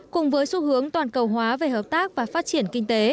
cùng với xu hướng toàn cầu hóa về hợp tác và phát triển kinh tế